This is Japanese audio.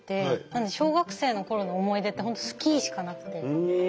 なので小学生の頃の思い出って本当スキーしかなくて。